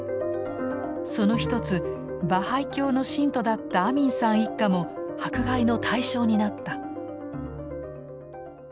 その一つバハイ教の信徒だったアミンさん一家も迫害の対象になった。